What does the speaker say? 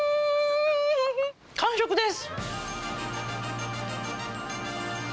完食です。